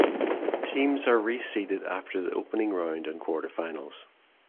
Teams are reseeded after the Opening Round and Quarterfinals